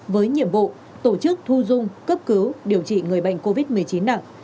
với nhiệm vụ tổ chức thu dung cấp cứu điều trị người bệnh covid một mươi chín nặng